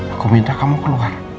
aku minta kamu keluar